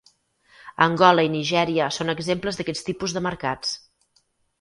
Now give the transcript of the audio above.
Angola i Nigèria són exemples d'aquests tipus de mercats.